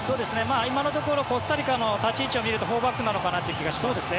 今のところコスタリカの立ち位置を見ると４バックなのかなという気がします。